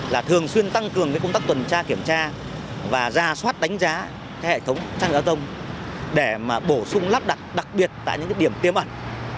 là thường xuyên tăng cường công tác tuần tra kiểm tra và ra soát đánh giá hệ thống trang giao thông để mà bổ sung lắp đặt đặc biệt tại những điểm tiêm ẩn